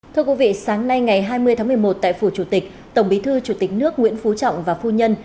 thưa quý vị sáng nay ngày hai mươi tháng một mươi một tại phủ chủ tịch tổng bí thư chủ tịch nước nguyễn phú trọng và phu nhân